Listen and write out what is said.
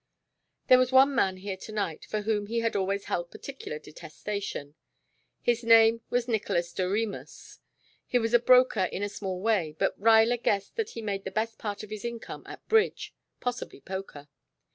There was one man here to night for whom he had always held particular detestation. His name was Nicolas Doremus. He was a broker in a small way, but Ruyler guessed that he made the best part of his income at bridge, possibly poker.